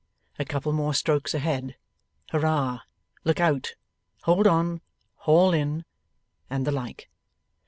'A couple more strokes a head!' 'Hurrah!' 'Look out!' 'Hold on!' 'Haul in!' and the like.